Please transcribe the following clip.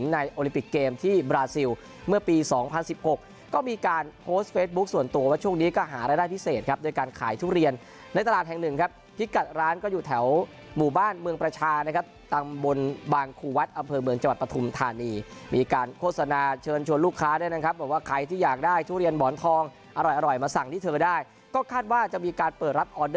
ในเฟสบุ๊คส่วนตัวว่าช่วงนี้ก็หารายได้พิเศษครับโดยการขายทุเรียนในตลาดแห่งหนึ่งครับที่กัดร้านก็อยู่แถวหมู่บ้านเมืองประชานะครับตรงบนบางคู่วัดอำเภอเมืองจับปฐุมธานีมีการโฆษณาเชิญชวนลูกค้าด้วยนะครับบอกว่าใครที่อยากได้ทุเรียนหมอนทองอร่อยมาสั่งที่เธอได้ก็คาดว่าจะมีการเปิ